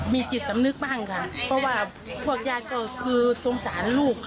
มีจิตสำนึกบ้างค่ะเพราะว่าพวกญาติก็คือสงสารลูกค่ะ